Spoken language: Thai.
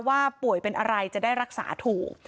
ว่าป่วยเป็นอะไรจะได้รักษาถูก